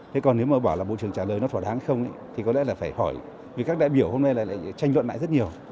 thế còn nếu mà bảo là bộ trưởng trả lời nó thỏa đáng không thì có lẽ là phải hỏi vì các đại biểu hôm nay lại tranh luận lại rất nhiều